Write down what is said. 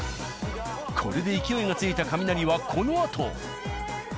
これで勢いがついたカミナリはこのあと。